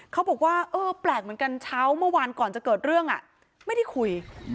เขาบอกว่าเออแปลกเหมือนกันเช้าเมื่อวานก่อนจะเกิดเรื่องไม่ได้คุย